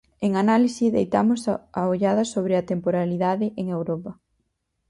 En Análise deitamos a ollada sobre a temporalidade en Europa.